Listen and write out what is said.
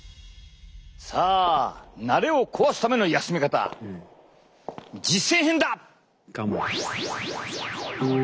さあなれを壊すための休み方実践編だ！